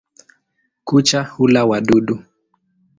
Kucha hula wadudu.